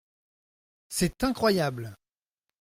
C’est incroyable !